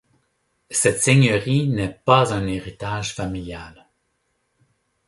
Cette seigneurie n'est pas un héritage familial.